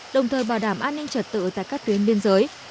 đồng thời bảo đảm an ninh trật tự tại các tuyến biên giới